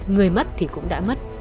người mất thì cũng đã mất